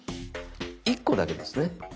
１個だけですね。